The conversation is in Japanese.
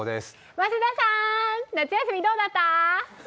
増田さーん、夏休みどうだった？